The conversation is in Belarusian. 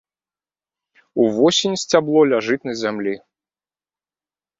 Увосень сцябло ляжыць на зямлі.